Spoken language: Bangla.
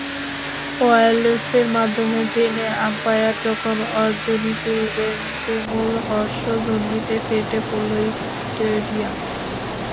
ওয়্যারলেসের মাধ্যমে জেনে আম্পায়ার যখন তর্জনী তুললেন, তুমুল হর্ষধ্বনিতে ফেটে পড়ল স্টেডিয়াম।